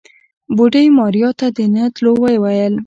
بوډۍ ماريا ته د نه تلو وويل.